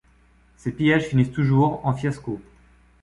Ces pillages finissent toujours en fiasco.